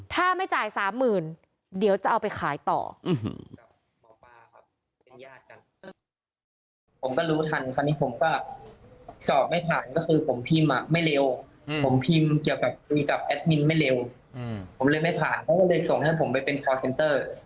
ถ้าไม่จ่าย๓๐๐๐๐เดี๋ยวจะเอาไปขายต่อ